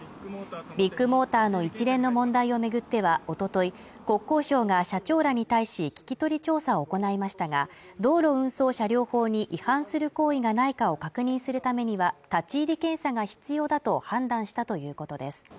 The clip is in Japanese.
ビッグモーターの一連の問題をめぐってはおととい国交省が社長らに対し聞き取り調査を行いましたが道路運送車両法に違反する行為がないかを確認するためには立ち入り検査が必要だと判断したということです